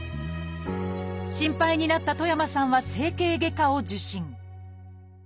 心配になった戸山さんは整形外科を受診。